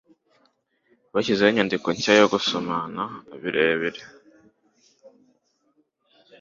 Bashyizeho inyandiko nshya yo gusomana birebire.